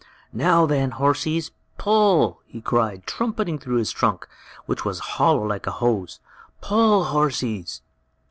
"Now, then, horsies! Pull!" he cried, trumpeting through his trunk, which was hollow like a hose. "Pull, horsies!"